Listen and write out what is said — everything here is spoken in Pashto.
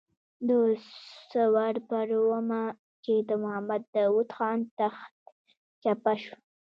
د ثور پر اوومه چې د محمد داود خان تخت چپه شو.